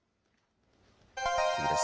次です。